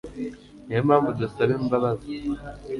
niyo mpamvu dusaba imbabazi